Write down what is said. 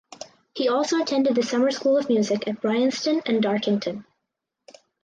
He also attended the Summer School of Music at Bryanston and Dartington.